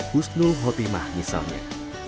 husnul khotimah misalnya